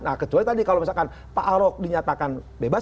nah kecuali tadi kalau misalkan pak ahok dinyatakan bebas